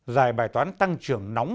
giải bài toán tăng trưởng nóng